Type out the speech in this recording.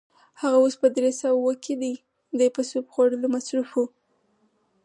هغه اوس په درې سوه اووه کې دی، دی په سوپ خوړلو مصروف و.